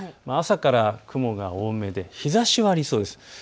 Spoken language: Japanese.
朝から雲が多めで日ざしはありそうです。